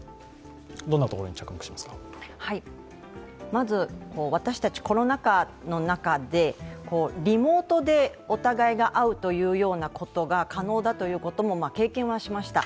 まず、私たちコロナ禍の中で、リモートでお互いが会うというようなことが可能だということも経験はしました。